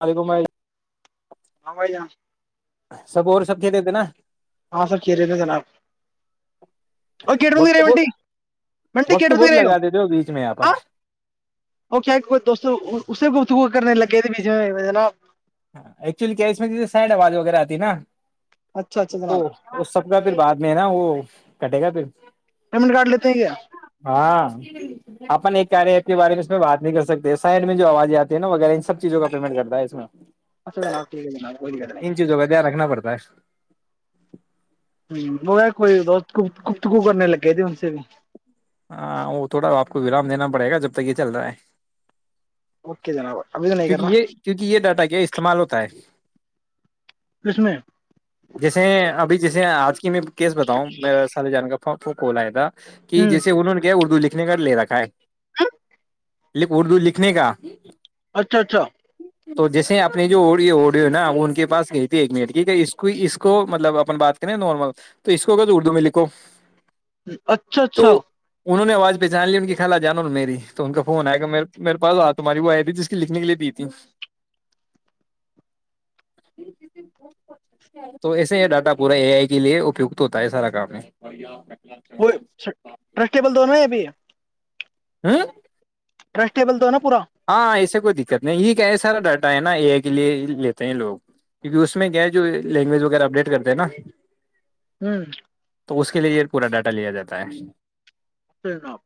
ہر گم ہاں بائی ج سب اور سب کھی دتے نا ہاں سب چرے تھ جناب اور کی بند رہے وقت ہو بہت منٹی منٹیٹ وقت بند بہت رہے لو لگا دیتے ہو بیچ میں یہاں پر ہاں کیا اسے کرنے لگے تھ بی ج ن ہاں ایکچولی کیا اس میںیے سائڈ آواز وغیرہ آتی نا اچھا اچھا تو جناب اس سب کا پھر بعد میں ہے نا وہ کٹے گا پھر پیمنٹ کارڈ لیتے ہیں کیا ہاں اپن ایک کیا کے بارے میں بات نہیں کر سکتے سائڈ میں جو آوازیں آتی ہے ن ویرہ ان سب چیزوں کا پیمنٹ کرتا ہے اس میں اچا ن ن وہ کد نہیں ان چیزوں کا دھیان رکھنا پڑتا ہے ہ وہ ہے کوئی ا گ گتکو کرنے لگے تھ ان سے بھی ہاں ا تھوڑااپ کو ورام دینا پڑے گا جب تک یہ چل رہا ہے اوکے جناب ابھی تو نہیں کیونکہ کرنا یہ کیونکہ یہ ڈاٹا کیا استعمال ہوتا ہے کس میں جیسے ابھی جیسے آج کی میں کیس بتاؤں میرا سال جان کا پ پ کو لائےدا ہ جیےہوں نے اردوکھے ات کر لے راکھا ہے ہ اردو لکھنے کا اچھا اچھا تو جیسے اپنی جو اڈیو ہے نا وہ ان کے پاس گئی تھی ایک منٹ کی ہے اس کو اس کو مطلب اپن بات کریں نارمل تو اس کو اگ اردو میں لکھو ہ اچھ تو انہوں نے ب پہچان لی ان کی خال جانا میری تو ان کا فون آئے میرے پا تاری وہ آئی تھی جس کی لکھنے کے لیے تھی تو ایسے یہ ڈاٹا پورا اے آئی کے لیےت ہوتا ہے سارا کام وہ اھا ٹرسٹیبل دونوں ہے ابھی ہ ٹسٹیبل دونوں ہاں ایسے کوئی دقت نہیں یہ کیا یہ سارا ڈاٹا ہے نا اے آئی کے لی لیتے ہیں لوگ کیکہ اس میں کیا ہے جو لینگویج وغیرہ اپڈیٹ کرتے ہیں نا ہوں تو اس کے لیے پورا ڈاٹا لیا جاتا ہے جنا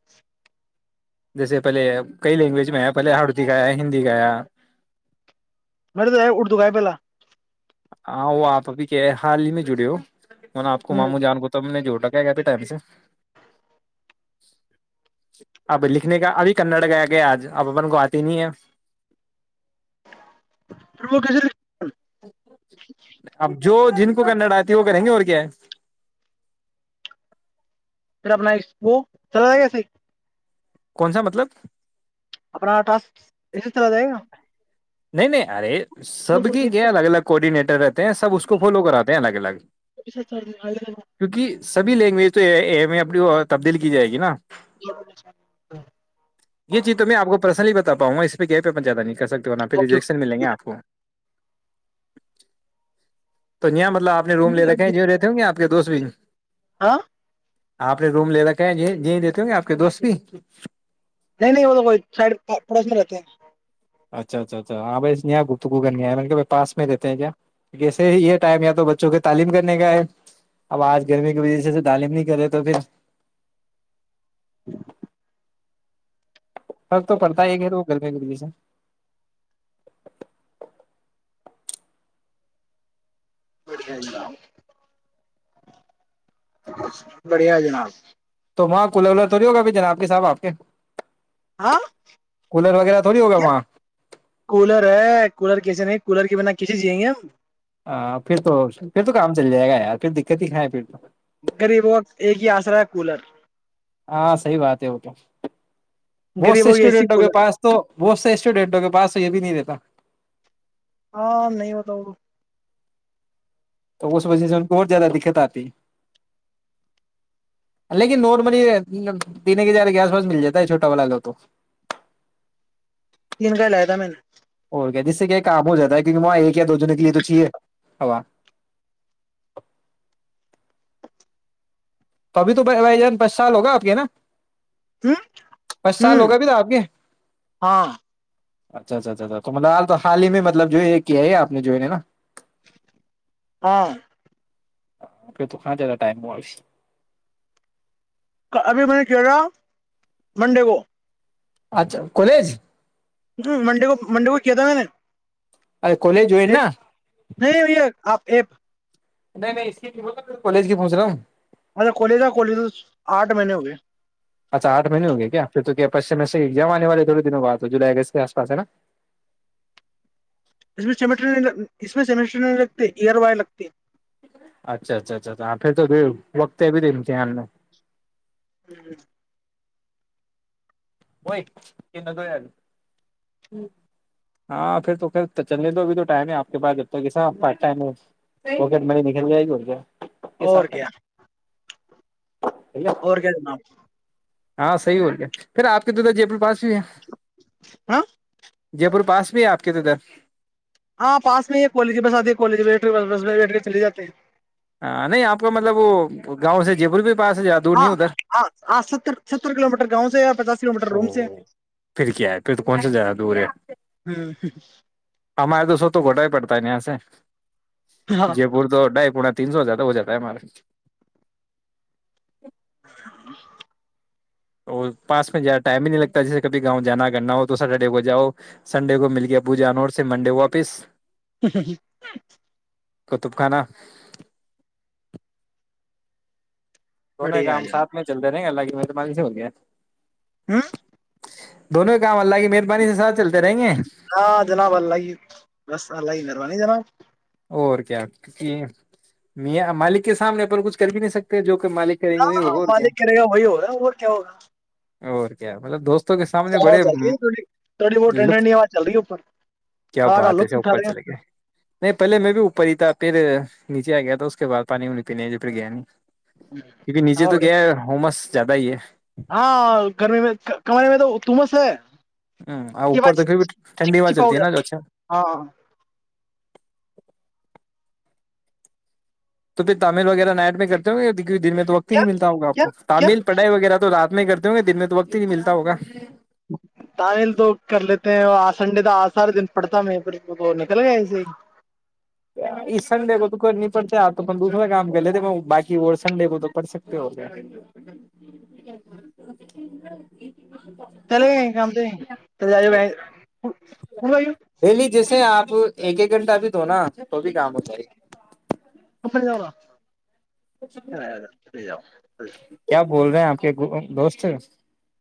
جیسے پہلے کئی لینگویج میں ہےپ پلے آڑتی گایا ہندی گایا مے تو اردو کا ہے پہلا ہاں وہ آپ ابھی کہ حال ہی میں جڑے ہو م نے آپ کو ہوں ماموں جان کو تو میں نے جوھوٹا کیا کیا بیتا سے اب لکھنے کا ابھی کنڑا گیا گیا آج اب اپن کو آتے نہیں ہے پھر وہ کیسے اب جو جن کو کرنا ڈاہتی وہ کریں گے اور کیا ہے پھر اپنا وہ چل کیسے کون سا مطلب اپپناٹا اسسے چلا جائائے گا نہیں نہیں ارے بول سب تو کے ایک کیا الگ الگ کورڈینیٹر رہتے ہیں سب اس کو فالو کراتے ہیں الگ الگ کیونکہ سبھی لینگویج تو اپنی تبدیل کی جائے گی نا یہ چیز تو میں آپ کو پرسنلی بتا آبپ وہس بیک پ زیادہ نہیں کرکتے نا پہ ریجیکشن ملیں گے آپ کو تو یہ م مط آپ نے روم لے رکھے ہیں ج رہتے ہوں گے آپ کے دوست بھی ہاں آپ نے روم لے رکھا ہے یہ دیتے ہوں گے آپ کے دوست بھی نہیں نہیں وہ تو کوئی سائڈ پڑوس میں رہتے ہیں اچھا اچھا اچھا ہاں ب یہاں گتگو کرنے م پاس میں رہتے ہیں کیاسے یہ ٹائم یا تو بچوں کے تعلیم کرنے کا ہے اب آج گرمی کی وجہی تعلیم نہیں کرے تو پھر ج سر تو پڑتا ہے وہ گرمی گ [inaudible] بڑیا جناب بڑھیا جناب تو وہاں کولر کوولر تھوڑی ہوگا اب جناب کے صاح آپ کے ہاں کولر وغیرہ تھوڑی ہوگا کیا کولر ہے کولر کیسے نہیں کولر کے بنا کسیے چیئیں گے ہم ہاں پھر تو پھر تو کام چل جائے گا پھر دقت ہی کھائے پیٹ تو ریب وہ ایک ہی آسرا ہے کولر ہاں صحیح بات ہے وہ کیا بہت سے غریبوں کی اے سی اسٹوڈینٹوں کے کولر ہے. پاس تو بہت سے اسٹوڈینٹوں کے پاس تو یہ بھی نہیں رہتا ہاں نہیں ہوتا وہ تو اس وجہ سے ان کو بہت زیادہ دقت آتی ہے لیکن نارملی پینے کے جارے کے آس پاس مل جاتا ہے چھوٹا والا ل تو تین کا ہی لایا تھا میں نے جس سے کیا کام ہو جاتا ہے کیکہ وہاں ایک یا دو جنےوں کے لیے تو چاہیے ہا تو ابھی تو بھائی جان پچ سال ہوگا آپ کے نا ہ پچ سال ہ ہو گئے بھی تھا آپ کے ہاں اچھا اچھ اچھاچھا تو مطلال تو حال ہی میں مطلب جو ہے یہ کیا ہے یہ آپ نے جو ہے نا ہاں پ تو کاں جد ائم معس ابھی میں نے کہا منڈے کو اچھا کالج ہ منڈے کو منڈے کو کیا تھا میں نے ارے کالج ہوئی نا ایکپ نہیں نہیں اس کی کالج کی پہنچنا مچھے کلی تھا کلی تو آٹھ مہینے ہو گئے اچھا آٹھہینے ہو گئے کیا پھر تو کیا پچم میں سے جام آنے والے تھوڑے دنوں بعد ہو جلائی اگست کے آس پاس ہے نا اس س اس میں سیمیٹری نہیں لگتے ایئر وائر لگتی اچھا اچھا اچھااں پھر تو وقت بھی تھی دھیان میں ہوں وہ ہاں پھر تو چلنےے دو اب تو ٹم ہے آپ کے پا ج م نکل جائے گی اور کیا اور کیا جناب ہاں صح ہوول گیا پھر آپ کے ادر جے پور پاس ہاں جے پور پاس بھی آپ کے تو ادھر ہاں پاس میں ہی ہے کالج میں بس آتی ہے کالج میں بیٹھ کے بس بیٹھ کے چے جاتے ہیں ہاں نہیں آپ کا مطلب وہ گاؤں سے جے پور بھی پاس ہے زیادہ دور ہاں نہیں ادھر ہاں ہاں ستر ستر کلو میٹر گاؤں سے پچاس کلو میٹر او روم سے پھر کیا ہے پھر تو کون سا جیا رہا ہے دور ہے ہے۔ ہمارے تو سو تو گھٹا ہی پڑتا پت نہیں سے ہاں جے پور تو ڈھائی پنا تین سو ہزد توہ ہو جاتا ہے ہمارا [inaudible] اور پاس میں جیادہ ٹائم ہی نہیں لگتا جیسے کبھی گاؤں جانا کرنا ہو تو سٹرڈے کو جاؤ سنڈے کو مل کے پو جاان اور پ منڈے کو واپس [inaudible] قطب خانہ سونے بڑھیا کام ہے سھ جناب میں چل رہ گ لگ م تو م سے ہو گ ہوں دونوں کام اللہ کی مہربانی سے ساتھ چلتے رہیں گے ہاں جناب اللہائی رست ال ل ہی ج نہیں جنا اور کیا کیکہ میا مالک کے سامنے پر کچھ کر بھی نہیں سکتے جو کہ مالک کریں گے ہاں وہ اور کیا مالک کرے گا وہی ہو رہا ہے وہ کیا ہوگا اور کیا مطلب دوست اچ چل رہی ہے تھی تھوڑی بہت لطف ٹڈاز چل رہی ہے اوپر کیا ہ کا بات ہے لک سب اٹھا اوپر رہے چلے گئے ہیں نہیں پہلے میں بھی اوپر ہی تھا پھر نیچے آ گیا تھا اس کے بعد پانی وانی پینے جو پھر گیا ن نہیں کیکہ نجے ہوا تو تو بڑی گ ہماس زیادہ ہی ہے ہاں گرمی میں کمانے میں تو تمس ہے ہ آ چپا اپر تو پھر بھی ٹھنڈی میں چپا چلتی ہو ہے نا جاتی جوچھا ہاں تو پھر تامل وغیرہ نائٹ میں کرتے ہو گے دن میں تو وقت ہی کیا نہیں ملتا ہوگ آپ کیا کو کیا تامل پڑھائی وغیرہ تو رات نہیں کرتے ہوں گے دن میں تو وقت ہی نہیں ملتا ہوگا تل تو کر لیتے ہیں اور آج سنڈے تو آج سارا دن پڑتا ہے م پ وہ تو نکل گیا ایسے ہی اس سنڈے کو تو کرنی پڑتا آپ تون دوسرا کام کر لیتے باقی وہ سنڈے کو تو پڑھ سکتے ہوگ چلے گ کم سے چ ج ا دہلی جیسے آپ وہ ایک ایک گھٹہ ابھی تو ہوناا تو بھی کام ہوتا ہے اا فری جاؤ اچ کیا بول رہے ہیں آپ کے دوست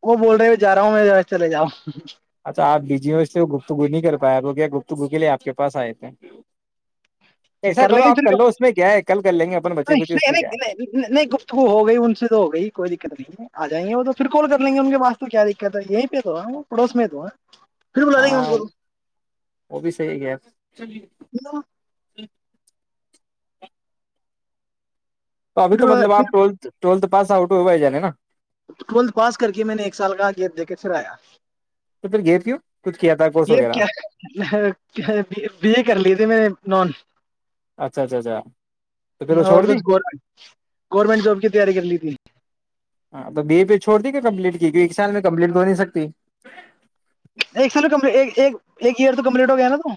وہ بول رہے جا رہا ہوں میں چلے جاؤ اچھا آپجی اس سے وہ گفتگو نہیں کر پایا وہ کیا گفتگو کے لیے آپ کے پاس آئے تھے ایسا کر ل کرو آپ گھر لو اس میں کیا ہے کل کر لیں گے اپن بچے کچے اس نہیں میں کیا نہیں نہیں نہیں گفتگو ہو گئی ان سے تو ہو گئی کوئی دقت نہیں ہے آ جائیں گے وہ تو پھر کال کر لیں گے ان کے پاس تو کیا دقت ہے یہیں پہ تو پڑوس میں تو ہے پھر بلا لیں گے ہاں ان وہ بھی صی گ کو تو ابھی تو پھر مطلب آپ ٹویلتھ ٹولت پاس آؤٹ ہوا ہی جانا ٹویلتھ پاس کر کے میں نے ایک سال کہا کیا دیک کے پھر آیا تو پھر گے پ ہوں یہ کیا بی اے کر لیے تھے میں نان اچھا اچھا اچھا تو پھر وہ اور چھوڑ دی کچھ گ گورنمنٹ جاب کی تیاری کر لی تھی ہاں تو بی اے پہ چھوڑ دی کے کمپلیٹ کی کی ایک سال میں کمپلیٹ تو ہو نہیں سکتی ایک سال ک ایک ایئر تو کمپلیٹ ہو گیا نا تو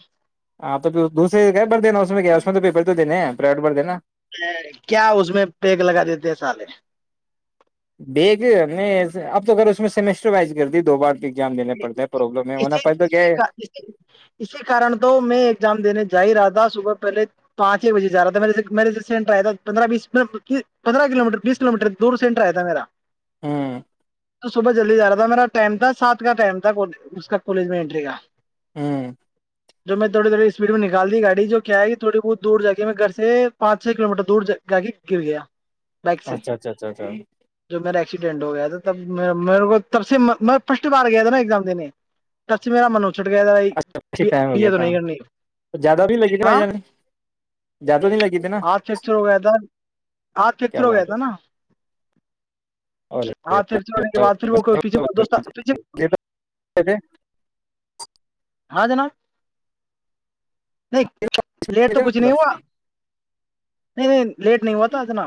ہاں تو دوسرے بڑ دا اس کیا اس تو پیپر تو دینے ہیں پرائیویٹ بڑ د نا کیا اس میں پیک لگا دیتے ہیں سالے بیگ میں اب تو اس میں سمسٹر وائز کر دی دو بار ایگزام دینے پڑتا ہے پرابلم ہے ہونا اسی پڑ تو کیا ہے اسیی اسی کارن تو میں ایگزام دینے جا ہی رہا تھا صبح پہلے پانچ چ بجے ج رہا تھایرے سےیر سے سینٹ آیا تھا پندرہ بیس پندرہ کلو میٹر بیس کلو میٹر دور سینٹر آیا تھا میرا ہوں تو سب جلد ج رہا تھا میرا ٹم تھا سات کا ٹائم تھا اس کا کالج میں انٹری کا ہوں جو میں تھوڑی تھوڑی اسپیڈ میں نکال دی گاڑی جو کیا ہے کہ تھوڑی بہت دور جا کے میں گھر سے پانچ چھ کلو میٹر دور جا کے گر گیا بائک سے اچھا اچھا اچھا اچھا جو میرا ایکسیڈینٹ ہو گیا تھا تب میرے کو تب سے میں بار گیا تھا نا ایگزام دینے بس میرا منو چٹ گیا تھا اچھا اچھی ب ٹائم ہو گیا تو تھا نہیں کرنی زیادہ بھی لگی تھی بھائی ہاں جان زیادہ نہیں لگی تھی نا ہ فچر ہو گیا تھا آگ فچر کیا ہو گیا بات تھا نا ہاں پھر چڑنے کے بات پھر وہ پیھے ب دوست پیچھے یہ توے ہاں جناب نہیں لیٹ تو کچھ نہیں اور ہوا ہ [inaudible] لیٹ نہیں ہواتا اتنا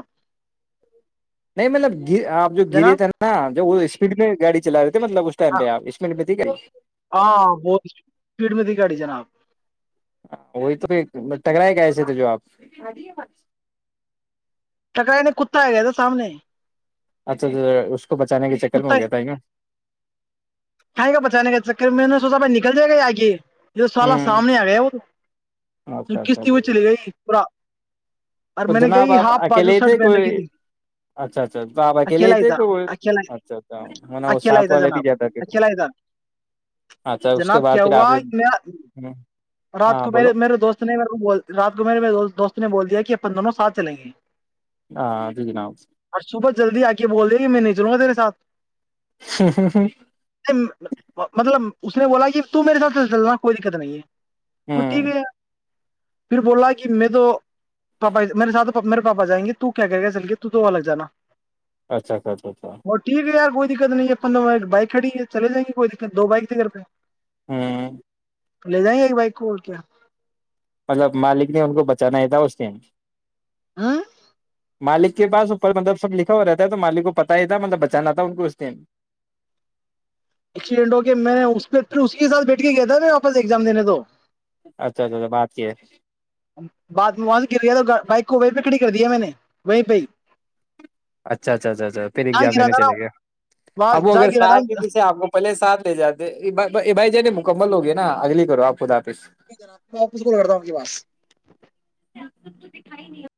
نہیں مطلب گ آپ جو گرے جناب تھے نا جو وہ اسپیڈ میں گاڑی چلا رہے تھے مطلب اسٹائ آپ اس مٹ ٹھیک ہے ہاں بہت اسپیڈ میں تھی گاڑی جناب وہی تو پھر ٹکراائے گ ایسے تو جو آپ ٹکرائینے کتا آ گیا تھا سامنے اچھا اچھا کو بچانے کے چکر میں ہو گیا تھا ہے نا کھیں گا بچانے کا چکر میں نے سوچا بھائی نکل جائے گا یہ آگے یہ سالہ ہ سامنے آ گیا وہ اچھا اچھا کستی میں اچھا چلی گئی پورا اور تو میں نے کیا جناب کہ آپ ہاف بازو اکیلے ہی شرٹ تھے پہن رکھی کوئی تھی اچھا اچھا تو آپ اکیلے ہی اکیلا تھے تھا کو اکیلا اچھا اچھا وہ ساتھ والے بھی جاتا تھا اچھ لگ گ اس کے جناب بعد کیا پھر آپ ہوا نے م ہوں، رات ہاں کو میرے بولو میرے دوست نے مے کو رات کو میرے دوست نے بول دیا کہ کہ اپن دونوں ساتھ چلیں گے ہاں جی جناب اور صبح جلدی آ کے بول دے میں نہیں چلوں گا تیرے سے سات ہاں ہاں ہاں مطلب اس نے بولا کہ تو میرے ساتھ چلنا کوئی دقت نہیں ہے [unintelligible] پھر بولا کہ میں تو پاپا میرے ساتھ میرے پاپا جائیں گے تو کیا کہ گ چل کے تو تو وہاں لگ جانا اچھا اچھا اچھا اچھا وہ ٹھیک ہے یار کوئی دقت نہیں ہے اپ بائک کھڑی ہے چلے جائیں گے کوئی دقت دو بائک ت گھر پہ ہاں تو لے جائیں گے ایک بائک کو اور کیا مطلب مالک نے ان کو بچانا ہے تھا اس دائن ہ مالک کے پاس اوپر مطلب سب لکھا ہوا رہتا ہے تو مالک کو پتا ہی تھا مطلب بچانا تھا ان کو اس دیں ایکسیڈینٹ ہو کے میں اس پہ پھر اس کے ساتھ بیٹھ کے گیا تھا میں واپس ایگزام دینے تو اچھا اچھا اچھا بات یہ ہے بات وہاں سے گر گیا تو بائک کو وہیں پہ کھڑی کر دیا میں نے وہیں پہ ہی اچھا اچھا اچھا اچھا پھر جہاں ایگزام گرا دینے تھا نا چلے گیا وہاں اب وہ جہاں اگر گرا ساتھ تھا جے آ کو پہلے ساتھ جاتے بھائی ج ن مکمل ہوگی نا اگلی کرو آپ خدا حافظ [unintelligible] تو دکھھائی نہیں ہو